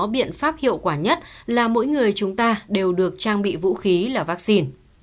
biện pháp hiệu quả nhất là mỗi người chúng ta đều được trang bị vũ khí là vaccine